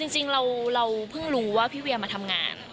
จริงเราเพิ่งรู้ว่าพี่เวียมาทำงาน